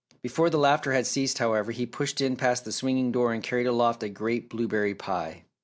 Before the laughter had ceased however, he pushed in past the swinging door and carried aloft a great blueberry pie.